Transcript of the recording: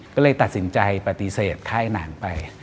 ก็เลยตัดสินใจปฏิเสธค่ายหนังไป